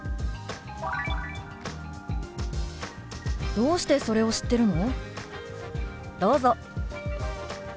「どうしてそれを知ってるの？」。